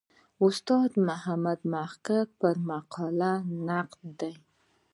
استاد محمد محق پر مقاله نقد دی.